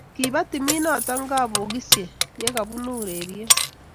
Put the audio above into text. kiba timit noto kabokitse ye kabunu ureryet